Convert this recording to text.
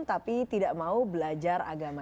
tapi tidak mau belajar agama